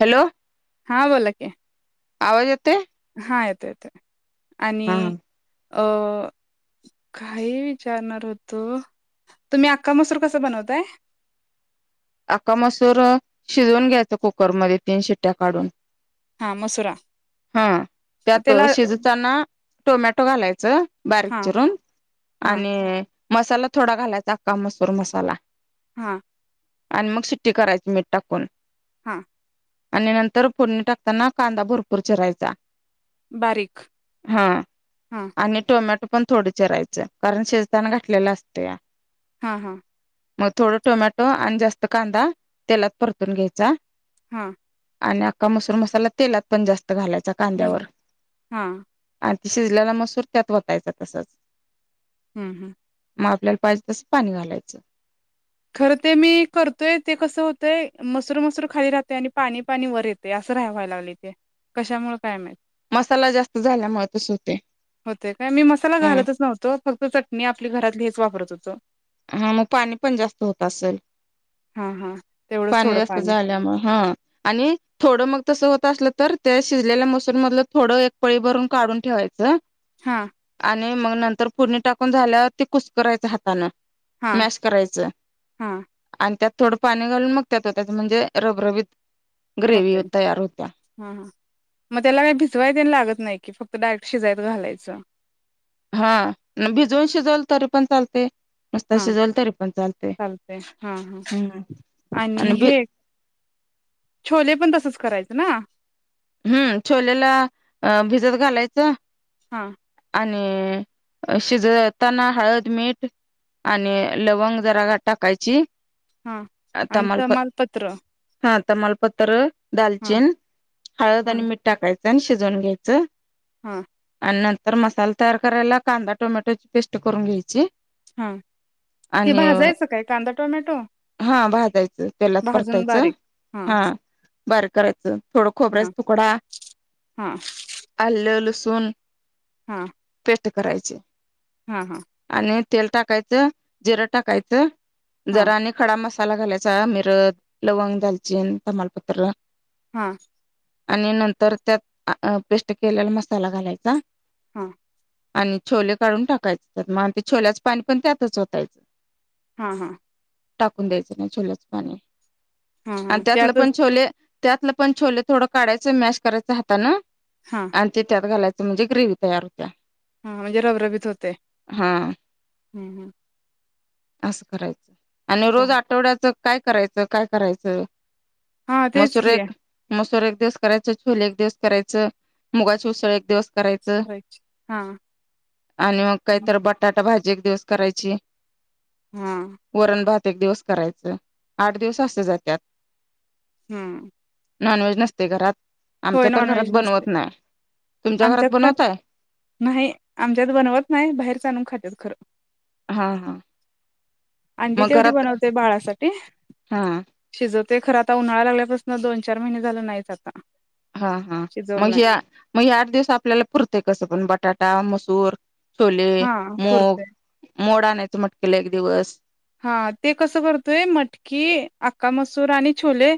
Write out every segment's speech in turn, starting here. Hello हा बोला की आवाज येतोय हायेत आणि हा अं काही विचारणार हुतो. तुमी आक्का मसूर कस बनवताय. आक्का मसूर अ शिजून घ्यायच कुकरमदे तीन शिट्ट्या काडुन हा मसुरा हा त्यात त्याला शिजताना टोमॅटो घालाय चं बारीक हा चिरून हा आणि मसाला थोडा घालायच आक्का मसूर मसाला. हा आण मग शीट्टी करायची मीट टाकून हा आणि नंतर फुडणी टाकताना कांदा भरपूर चिरायचा बारीक ह हा आणि टोमॅटो पण थोड चिरायचं कारण शिजताना घाटलेलं असतया हा हा म थोडं टोमॅटो आणि जास्त कांदा तेलात परतून घ्यायचा. हं आणि अख्का मसुर मसाला तेलात पण जास्त घालायचा कांद्यावर घालून हा शिजल्येला मसूर त्यात वतायच तसच हम्म हम्म म आपल्याला पाइजे तसं पाणी घालायचं. खरं ते मी करतोय ते कसं हुतंय मसुर मसुर खाली राहतय आणि पाणी पाणी वर येतेय राहावाय लागलय ते कशामुळ काय माहित मसाला जास्त झाल्यामुळ तस हुतय हुतेय काय मी मसाला घालतच नव्हतो फक्त चटणी आपली घरातली हेच वापरत हुतो. हा म पाणी पण जास्त होत असल. हा हा तेवढंच पाणी थोडं जास्त जाल्यामुळ हा आणि थोडं मग तस हो तसलं तर ते शिजलेल्या मसूर मदलं थोडं एक पळी भरून काडुन ठेवायचं. हा मूंग मंग नंतर पूर्ण टांकूंन झाल्यावर ते कुसकरांयंचे हातानं हा मॅश करायचं हा आणि त्यांतं थोडं पाणी घालून मंग त्याचं त्यांत म्हणजे रबरबीत ग्रेवी होतंय तयार होत्या हा मंग त्यांला कायं सोयाबीन लागतं नाईकी फक्त डांयरेक्टं शिजायंत घालायचं हाअ भिजवून शिजवल तरी पणं चालतंय नुस्तां हा शिजवला तरी पणं चालतंय हा हा म्हम् आणि भिज छोले पणं तसंच करायचं नां? हम्मं छोलेला अ भिजत घालायचं हा आणि शिजवतांनां हळंद मीठ आणि लवंग जरा टांकांयची हा आणि तमाल तमालपत्र पत्र हा तमालपत्र हा दांलचीन हळंद हा आणि मीठ टाकायचं आणं शिजुन घ्यायचं हा आणि नंतर मसाला तयार करायला कांदा टोमॅटोची पेस्ट करून घ्यांयची हा ते भाजायचं कायं कांदा टोमॅटो हा भाजायचं तेलांत भाजून परतायचं बारीक हा बारिक करायचं थोडं खोरब हां हां आलं लसून हा ते करांयंचे हा हा तेल टांकायचं जिरं टांकायचं हा जरा आणि खडा मसाला. मसाला घालायचा मिर लवंग दालचीन तमालपत्र. हा आणि नंतर त्यांत पेस्ट केलेला मसाला घालायंचा. हा आणि छोले काढूंन टांकायचे त्यांत मंग ते छोल्याचं पाणी पणं त्यांतच ओतायचं. हा हा टांकून द्यायचं नाही छोल्याच पाणी हा आणि हा त्यातलं पणं त्यातच छोले त्यातलं. त्यांतले पणं छोले थोडं काढायचं मॅश करायचं हातानं हा आणि ते त्यांत घालायचं म्हणजे ग्रेव्ही तयार होत. हां म्हणजे रबरबीत होतें हा असं करायचं आणि रोज हम्म आठवड्याचं कायं करायचं कायं करायचं. हा मंग तेच की सुरेक मंग सुरेक. एक दिवस करायचं छोले एक दिवस करायचं मुंगांची उसळ एक दिवस. करायचं करायची हा आणि मंग काहीत बटाटा भाजी. दिवस करांयंची. हम्म प्रत्येंक दिवस करायचं आंठ दिवस असे जांतांत. हम्म नॉनव्हेज नंसते घरांत.. होयं नॉन व्हेज नसते. तुमच्या घरात आमच्यांत बनवताय नाहीं आमच्यांत बनवंत नाहीं बाहेरुनच आंणून खातांत खरं.. हा हा अंडी मग तेवढीं घरात बनंवते बाळांसाठी हा शिजतं. ते खरं आतां उन्हांळा लागल्यापासून दोन चार महिने झांले नाहींच आतां हा हा मंग हे मंग आंठ दिवस आपल्यांलां पुरतं कसं पणं बटाटा मसूर.. छोले हा मुंग पुरतय मोड आणायचं मंटकीलां एक दिवस. हा ते कसं करतोयं मंटकी आका मसूर आणि छोले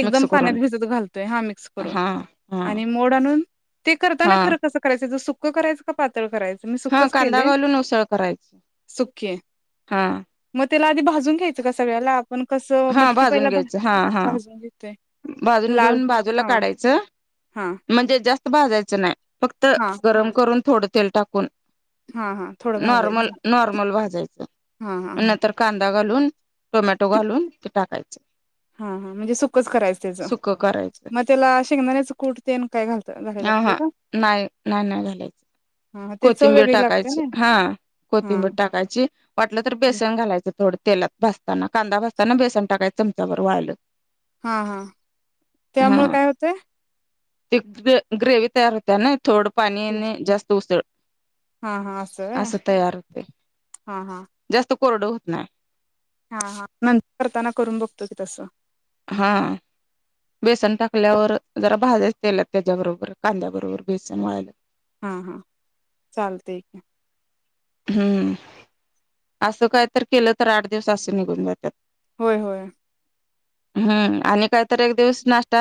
एकदम मिक्स पाण्यात करून भिजत घालतोय हा मिक्स करून हा हा आणि मोड आणून ते हा करताना खरं कसं करायचं ज सुकं करायचं का पातळ करायचं. मी हा सुखच कांदा केलं घालून उसळ करायची सुखी. हा मग त्याला आधी भाजून घ्यायचं का सगळ्याला आपण कसं हा मटकी भाजून पहिला घ्यायचं हा हा भाजून घेतोय. भाजून लाल घेऊन बाजूला हा काढायचं हा म्हणजे जास्त भाजायचं नाही. फक्त हा गरम करून थोडं तेल टाकून हा हा थोडं नॉर्मल भाजायचं नॉर्मल भज हा हा नंतर कांदा घालून टोमॅटो घालून ते टाकायचे. [unintelligible] हा हा म्हणजे सुखच करायचं त्याचं करायचं मग त्याला शेंगदाण्या च कुठते काय घालत. हा हा नाही नाही नाही घालायचं. हा ते चव कोथिंबीर वेगळी लागते टाकायची ना हा हा कोथिंबीर टाकायची वाटलं तर बेसन घालायचं. थोडं तेलात भासताना कांदा भासताना बेसन टाकाय चमचा भर वाळलं. हा हा तत्यामुळे हा काय होतंय. ते ग ग्रेवी तयार होते ना थोडं पाणी जास्त उसळ. हा हा व्हय असं तयार होते हा हा जास्त कोरडं होत ना. हा हा नंतर करताना करून बघतो की तस हा बेसन टाकल्यावर जरा भाज्याच तेलत त्याच्याबरोबर कांद्या बरोबर बेसन वयला हा हा चाल ठीक आहे. हम्म असं काय तर केलं तर आठ दिवस असे निघून जातात. होय होय हम्म आणि काहीत एक दिवस नाश्ता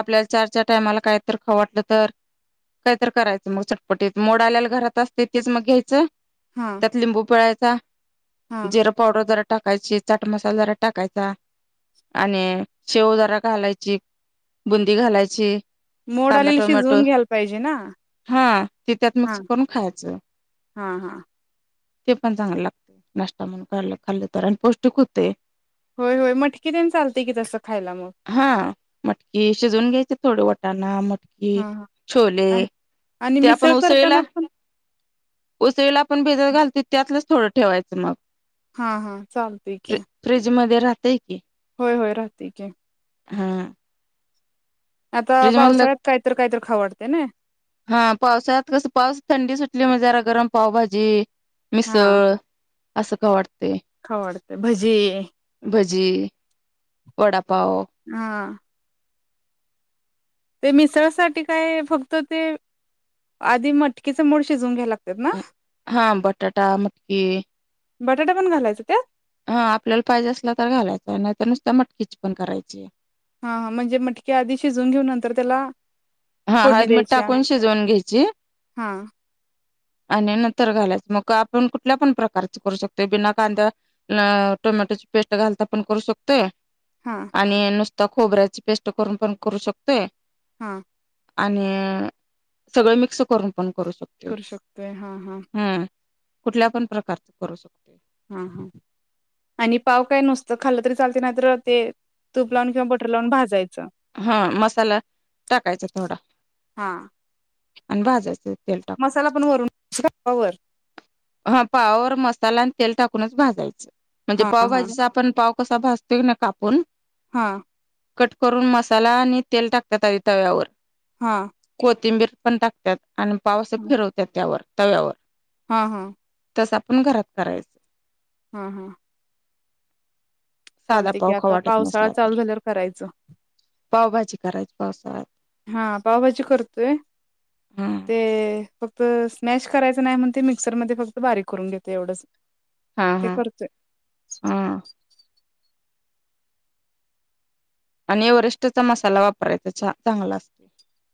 आपल्याला चार चार टायमाला काहीत खाऊ वाटल तर काही तर करायचं मग चटपटीत मोड आल्याला घरात असते तेीच मग घ्यायचं हा त्यात लिंबू पिळायचा हा जिरा पावडर जरा टाकायची चाट मसालदरा टाकायचा आणि शेवदराा घालायची बुंदी घालायची मोड कांदा आलेली टोमॅटो शिजवून घ्यायला पाहिजे ना हा ते त्यात हा मिकस करून खायचं हा हा ते पण चांगलं लागते नाष्ट्ा म्हणून क खाल्लं तर आणि पौष्टिक होते होय होय मटकी तेन चालतंय की तसं खायला मग हा मटकी शिजून घ्यायचे थोडे वाट टाणा मटकी हा हा छोले आणि आणि ते आपण मिसळ उसळेला करताना पण घालतो त्यातलंच थोडं ठेवायचं मग हा हा चालतय क राहते आहे की होय होय राहते ग हा आता फ्रीज मधलं पावसाळ्यात काहीत काहीत खवडते ना हा पावसात कसं पावस थंडी सुटली म्हज जरा गरम पावभाजी मिसळ असं का वाटते ख वाडते भजी भजी वडा हा ते मिसळसाठी काय फक्त ते आधी मटकीचे मूड शिजून घ्याला लात हा बटाटा मटकी बटाटा पण घालायच त्यात हा आपल्याला पाहिजे असला तर घालायचं नाहीतर नुसत मटकीच पण करायची हा म्हणजे मटके आधी शिजवून घेऊन नंतर त्याला हा फोडणी हळद मि द्यायची टाकून शिजवून घ्यायची हा आणि नंतर घालायचं मग आपण कुठल्या पण प्रकारच करू शकतो बिना कांदा्या टोमॅटो पेट घाल तर पण करू शकतोय हा आणि नुसता खोबऱ्याची पेस्ट करून पण करू शकतोय हा आणि सगळं मिक्स करून पण करू शकतो करू शकतोय हा हा हम्म.. कुठल्या पण प्रकारच करू शकतोय. हा- हा आणि पाव काय नुसतं खाल्ल तरी चालते नाही तर ते तूप लावून किंवा बटर लावून भाजायचं हा मसाला टाकायचा थोडा हा आणि भाजायच मसाला पण वरून- वर हा पावावर मसाला आणि तेल टाकूनच भाजायचं म्हणजे हा हा पावभजीच आपण पाव कसा भासतोय ना कापून हा कट करून मसाला आणि तेल टाकत्यात आधी तव्यावर हा कोथिंबीर पण टाकत्यात आणि पाव अस फिरवत्यात त्यावर तव्यावर हां हां तस आपण घरात करायचं हा-हा साधा पाव खाऊ आता वाटत पावसाळा नसला चालू तरी झाल्यावर करायचं. पावभाजी करायच पावसाळ्यात हा पावभाजी करतोय हम्म ते फक्त तर स्मॅश करायचं नाही म्हणून ते मिक्सरमध्ये फक्त बारीक करून घेतोय एवढंच हा- ते हा- करतोय हा... आणि एवरेष्टचा मसाला वापरायचा छा- चांगला अस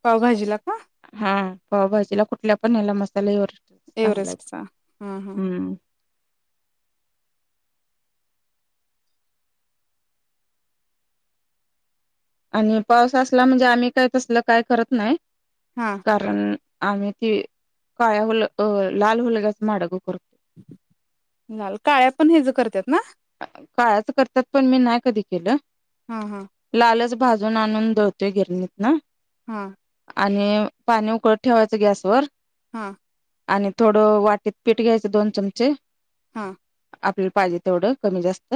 पावभाजीला का हा पावभाजीला कुठल्या पण हेला मसा चुलीवरचा चांगला आहे एव्हरेस्टचा हा [unintelligible] हा हम्म.. आणि पाऊस असला म्हणजे आम्ही काय तसल काय करत नाही हा कारण आम्ही ती काळ्या- हुल- अ लाल हुलग्याचे माडगं कर लाल -काळ्या पण हेज करतात ना? काळ्याच करतात पण मी नाही कधी केलं हा -हा लालच भाजून आणून दळतोय गिरणीतन हा आणि पाणी उकळत ठेवायचं गॅसवर हा आणि थोडं वाटीत पीठ घ्यायचं दोन चमचे हा आपल्याला पाहिजे तेवढं कमी जास्त..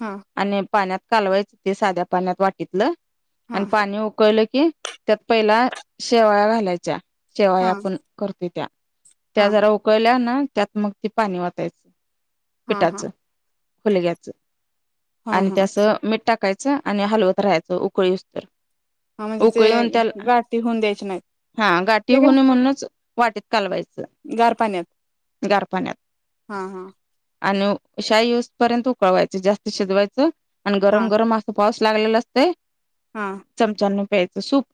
हा आणि पाण्यात कालवायचं ते साध्या पाण्यात वाटीतलं आणि हा हा पाणी उकळलं की त्यात पहिला शेवाळ्या घालायच्या शेवाळ्या हा आपण करतोय त्या हा जरा उकळल्या ना त्यात मग ते पाणी वतायचं - हा पिठाचं -खुलग्याचं हा आणि त्या हा असं मीठ टाकायचं आणि हलवत राहायचं उकळी येउसतर हा म्हणजे ते गाठी होन द्यायच्या नाहीत? हा गाठी ते होऊ नये म्हणूनच वाटीत काय गार पाण्यात कालवायचं गार पाण्यात हा- हा आणि शाई येऊस पर्यंत उकळवायच जास्त शिजवायचं आणि हा गरम -गरम असं पाऊस लागलेलं असतय हा चमच्यान प्यायचं सूप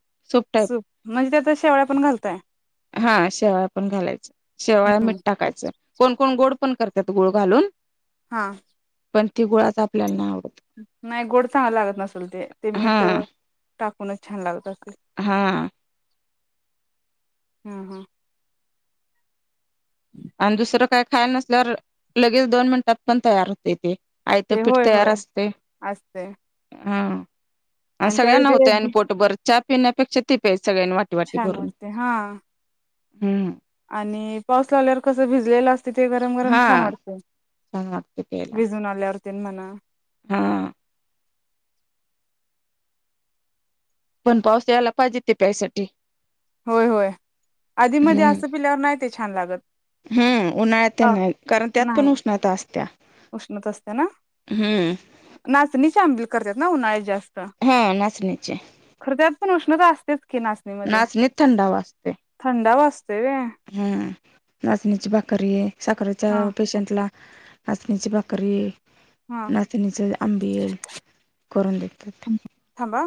सूप म्हणजे त्यात शेवळ्या पण घालताय? हा शेवाळ्या पण घालायचं शेवाळ मीठ टाकायचं कोण- कोण गोड पण करतात गुळ घालून हा पण ती गुळाच आपल्याला नाय आवडत नाही गोड चांगलं लागत नसल ते ते मीठ हा टाकूनच छान लागत असेल अस हा हम् हम आणि दुसरं काही खायला नसल्यावर लगेच दोन मिनिटात पण तयार होते आयत ते पीठ होय तयार होय असते असते हा आणि त्यावेळी सगळ्यांना ते होतय आणि बी पोटभर चहा पिण्यापेक्षा ते प्यायचं सगळ्यांनी वाटी वाटी छान करून वाटते हा हम्म आणि पाऊस लावल्यावर कसं भिजलेलं असते ते गरम गरम हा छान वाटते छान वाटतं प्यायला भिजल्यावर तीन म्हणा हा पण पाऊस यायला पाहिजे ते प्यायसाठी होय होय आधी मध्ये हम्म असं पिल्यावर नाही ते छान लागत हम्म उन्हाळ्यात तर नाही कारण त्यात पण उष्णता असत्या उष्णत असते ना हम्म नाचणीचे आंबल करतात ना उन्हाळ्यात जास्त हा नाचणीचे खरं त्यात पण उष्णता असतेच की नाचणीमध्ये थंडावा असते थंडा असत हम्म नाचणीची भाकरी आहे साखरेच्या हा पेशंटला नचणीची भाकरी हा नाचणीचे आंबिय करून देतात थांबा